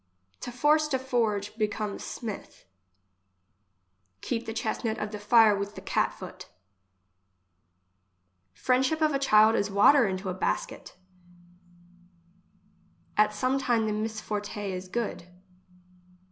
To force to forge, becomes smith. Keep the chestnut of the fire with the cat foot. Friendship of a child is water into a basket. At some thing the misforte is good.